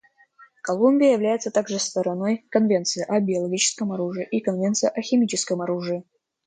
Колумбия является также стороной Конвенции о биологическом оружии и Конвенции о химическом оружии.